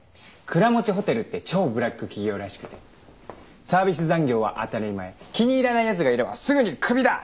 倉持ホテルって超ブラック企業らしくてサービス残業は当たり前気に入らない奴がいればすぐに「クビだ！」